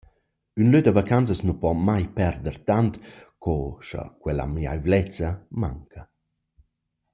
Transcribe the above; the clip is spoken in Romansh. Ün lö da vacanzas nu po mai perder tant co scha quell’amiaivlezza manca.